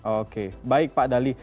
oke baik pak dali